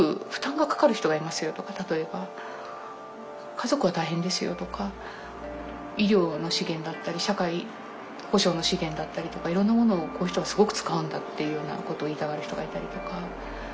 家族は大変ですよとか医療の資源だったり社会保障の資源だったりとかいろんなものをこういう人はすごく使うんだっていうようなことを言いたがる人がいたりとか。